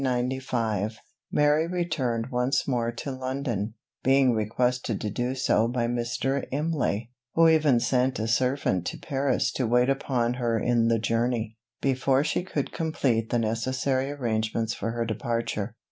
In April 1795, Mary returned once more to London, being requested to do so by Mr. Imlay, who even sent a servant to Paris to wait upon her in the journey, before she could complete the necessary arrangements for her departure.